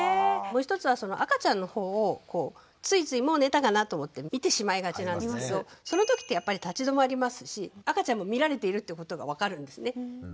もう一つはその赤ちゃんの方をついついもう寝たかなと思って見てしまいがちなんですけどその時ってやっぱり立ち止まりますし赤ちゃんも見られているってことが分かるんですね。